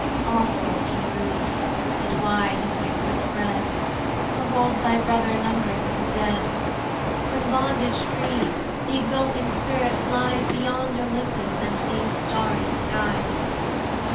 Awful he moves, and wide his wings are spread: Behold thy brother number'd with the dead! From bondage freed, the exulting spirit flies Beyond Olympus, and these starry skies.